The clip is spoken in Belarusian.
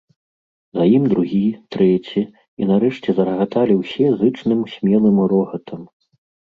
За ім другі, трэці, і нарэшце зарагаталі ўсе зычным смелым рогатам.